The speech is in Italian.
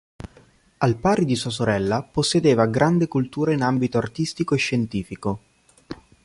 Al pari di sua sorella, possedeva grande cultura in ambito artistico e scientifico.